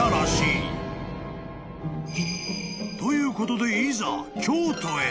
［ということでいざ京都へ］